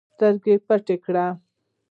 سترګې پټې کړې